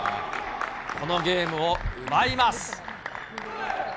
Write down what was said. このゲームを奪います。